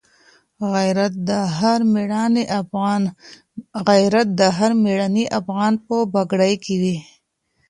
غیرت د هر مېړني افغان په پګړۍ کي وي.